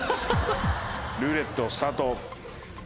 ルーレットスタート！